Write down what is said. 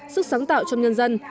sức sáng tạo trong nhân dân